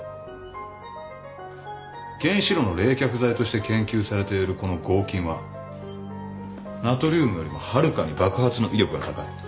原子炉の冷却剤として研究されているこの合金はナトリウムよりもはるかに爆発の威力が高い。